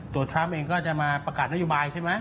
ทรัมป์เองก็จะมาประกาศนโยบายใช่ไหม